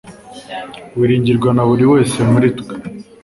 Wiringirwa na buri wese muri twe.